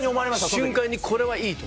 瞬間に「これはいい」と。